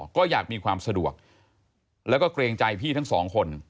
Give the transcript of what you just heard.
ก็อยากมีความสะดวกแล้วก็เกรงใจพี่ทั้งสองคน